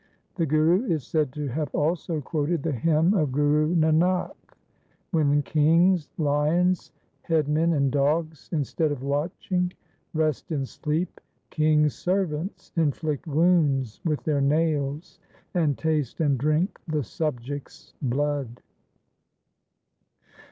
The Guru is said to have also quoted the hymn of Guru Nanak :— When kings, lions, headmen, and dogs, Instead of watching, rest in sleep, King's servants inflict wounds with their nails, And taste and drink the subjects' blood.